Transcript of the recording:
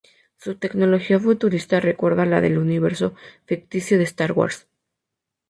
Su tecnología futurista recuerda a la del universo ficticio de Star Wars.